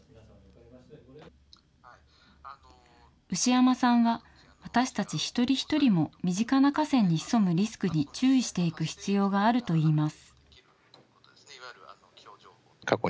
牛山さんは、私たち一人一人も身近な河川に潜むリスクに注意していく必要があるといいます。